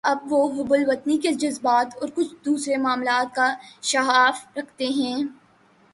اب وہ حب الوطنی کے جذبات اور کچھ دوسرے معاملات کا شغف رکھتے ہیں۔